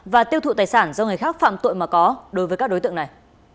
và tiêu thụ tài sản do người khác phạm tội mà có đối với các đối tượng này